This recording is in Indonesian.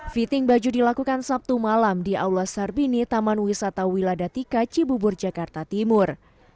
fitting baju dilakukan sabtu malam di aula sarbini taman wisata wiladatika cibubur jakarta timur